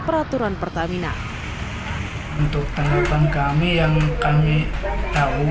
peraturan pertamina untuk tanggapan kami yang kami tahu